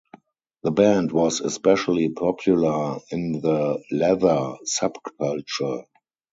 The band was especially popular in the leather subculture.